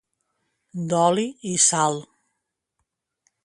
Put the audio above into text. D'oli i sal.